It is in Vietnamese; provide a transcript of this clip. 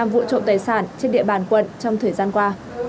năm vụ trộm tài sản trên địa bàn quận trong thời gian qua